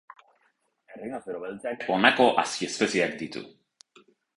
Errinozero beltzak honako azpiespezieak ditu.